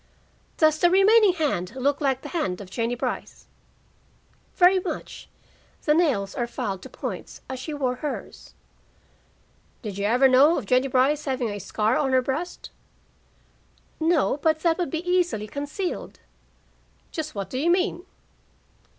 "Does the remaining hand look like the hand of Jennie Brice?" "Very much. The nails are filed to points, as she wore hers." "Did you ever know of Jennie Brice having a scar on her breast?" "No, but that would be easily concealed." "Just what do you mean?"